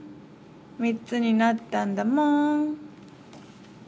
３つになったんだもん』」。